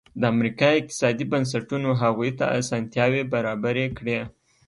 د امریکا اقتصادي بنسټونو هغوی ته اسانتیاوې برابرې کړې.